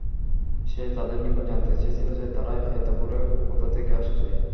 সে তাদের নিকট জানতে চেয়েছিল যে, তারা এত ভোরে কোথা থেকে আসছে।